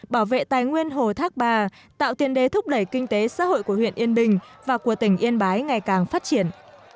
bảo vệ tài nguyên hồ thác bà tạo tiền đề thúc đẩy kinh tế xã hội của huyện yên bình và của tỉnh yên bái ngày càng phát triển